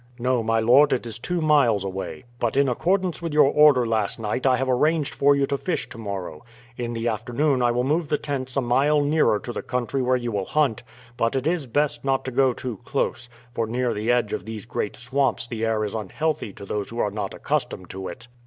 "No, my lord; it is two miles away. But, in accordance with your order last night, I have arranged for you to fish to morrow. In the afternoon I will move the tents a mile nearer to the country where you will hunt, but it is best not to go too close, for near the edge of these great swamps the air is unhealthy to those who are not accustomed to it."